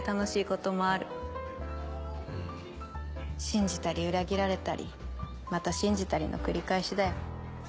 信じたり裏切られたりまた信じたりの繰り返しだよ。